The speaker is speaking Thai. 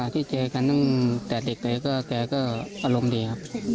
ที่เจอกันตั้งแต่เด็กเลยก็แกก็อารมณ์ดีครับ